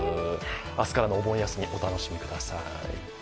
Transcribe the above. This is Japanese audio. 明日からのお盆休み、お楽しみください。